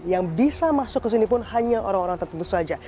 yang bisa masuk ke sini pun hanya orang orang tertentu saja